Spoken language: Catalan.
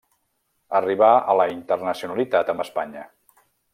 Arribà a la internacionalitat amb Espanya.